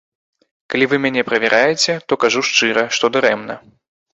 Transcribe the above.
Калі вы мяне правяраеце, то кажу шчыра, што дарэмна.